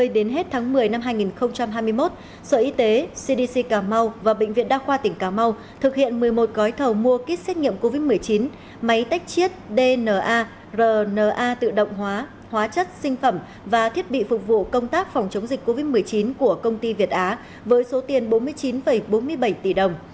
đến hết tháng một mươi năm hai nghìn hai mươi một sở y tế cdc cảm mau và bệnh viện đa khoa tỉnh cảm mau thực hiện một mươi một gói thầu mua kích xét nghiệm covid một mươi chín máy tách chiết dna rna tự động hóa hóa chất sinh phẩm và thiết bị phục vụ công tác phòng chống dịch covid một mươi chín của công ty việt á với số tiền bốn mươi chín bốn mươi bảy tỷ đồng